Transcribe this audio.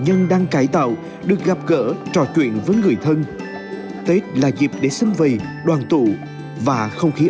nhân đang cải tạo được gặp gỡ trò chuyện với người thân tết là dịp để xâm vầy đoàn tụ và không khí ấm